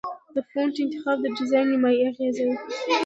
د فونټ انتخاب د ډیزاین نیمایي اغېزه ده.